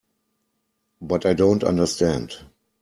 But I don't understand.